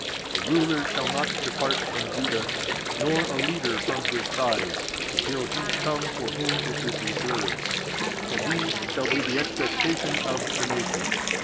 A ruler shall not depart from Judah, nor a leader from his thighs, until he come for whom it is reserved; and he shall be the expectation of the nations.